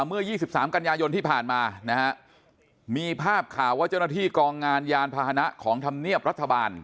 เมื่อ๒๓กันยายนที่ผ่านมานะฮะมีภาพข่าวว่าเจ้าหน้าที่กองงานยานพาหนะของธรรมเนียบรัฐบาล